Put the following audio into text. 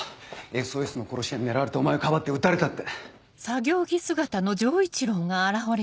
「ＳＯＳ」の殺し屋に狙われたお前をかばって撃たれたって。